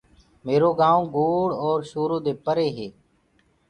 ميرو گآئونٚ گوڙ اور شورو دي پري هي